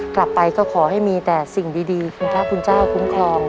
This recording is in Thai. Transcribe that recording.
กลับไปก็ขอให้มีแต่สิ่งดีคุณพระคุณเจ้าคุ้มครอง